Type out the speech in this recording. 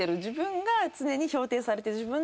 自分が常に評定されている。